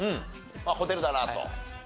ホテルだなと。